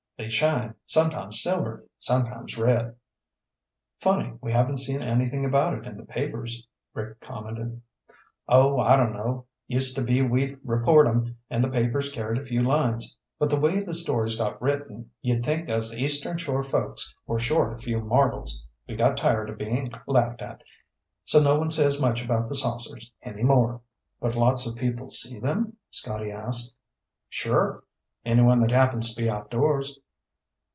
They shine, sometimes silver, sometimes red." "Funny we haven't seen anything about it in the papers," Rick commented. "Oh, I don't know. Used to be we'd report 'em, and the papers carried a few lines. But the way the stories got written, you'd think us Eastern Shore folks were short a few marbles. We got tired of being laughed at, so no one says much about the saucers any more." "But lots of people see them?" Scotty asked. "Sure. Anyone that happens to be outdoors."